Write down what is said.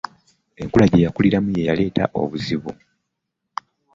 Enkula gye yakuliramu ye yaleeta obuzibu.